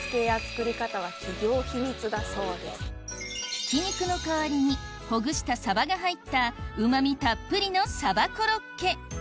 ひき肉の代わりにほぐしたサバが入ったうまみたっぷりのサバコロッケ